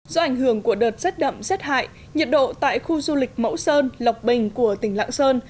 do ảnh hưởng của đợt rất đậm rất hại nhiệt độ tại khu du lịch mẫu sơn lọc bình của tỉnh lạng sơn